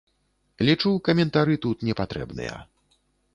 Лічу, каментары тут не патрэбныя.